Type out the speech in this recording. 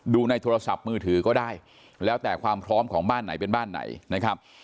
ในโทรศัพท์มือถือก็ได้แล้วแต่ความพร้อมของบ้านไหนเป็นบ้านไหนนะครับ